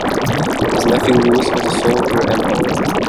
His nephew Louis was a soldier and poet.